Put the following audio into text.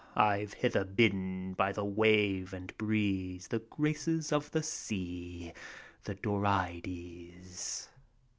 I've hither bidden, by the wave and breeze. The Graces of the Sea, the Dorides.